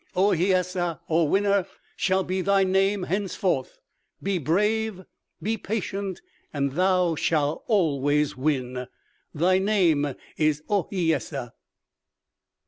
"Ohiyesa (or Winner) shall be thy name henceforth. Be brave, be patient and thou shalt always win! Thy name is Ohiyesa."